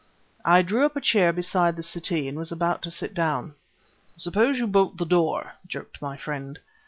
I drew up a chair beside the settee and was about to sit down. "Suppose you bolt the door," jerked my friend.